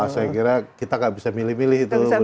saya kira kita gak bisa milih milih itu